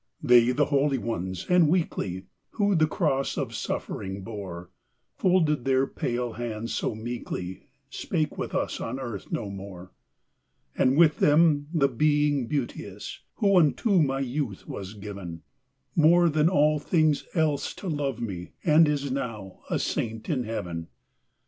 They, the holy ones and weakly, Who the cross of suffering bore, Folded their pale hands so meekly, Spake with us on earth no more! And with them the Being Beauteous, Who unto my youth was given, More than all things else to love me, And is now a saint in heaven.